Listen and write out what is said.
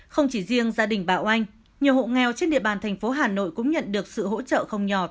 không chỉ riêng gia đình bảo anh nhiều hộ nghèo trên địa bàn thành phố hà nội cũng nhận được sự hỗ trợ không nhỏ